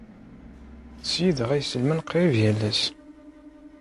Ttṣeyyideɣ iselman qrib yal ass.